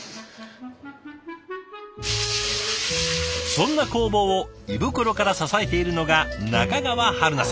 そんな工房を胃袋から支えているのが中川春菜さん。